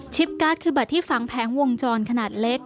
การ์ดคือบัตรที่ฝังแผงวงจรขนาดเล็ก